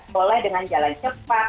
boleh dengan jalan cepat